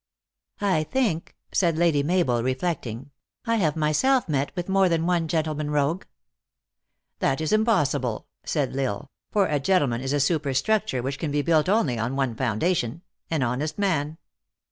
" I think," said Lady Mabel, reflecting, " I have myself met with more than one gentleman rogue." " That is impossible," said L Isle, " for a gentleman is a superstructure which can be built on only one foundation an honest man."